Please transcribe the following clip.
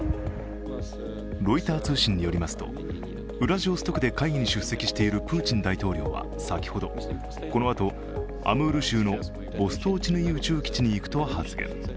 ロイター通信によりますと、ウラジオストクで会議に出席しているプーチン大統領は先ほどこのあと、アムール州のボストチヌイ宇宙基地に行くと発言。